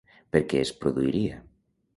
Per què es produiria?